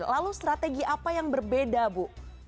lalu strategi apa yang berbeda bu